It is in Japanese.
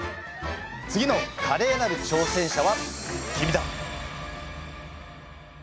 次のカレーなる挑戦者は君だ！